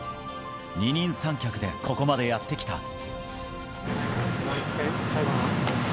二人三脚でここまでやってきた。